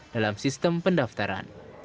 dalam sistem pendaftaran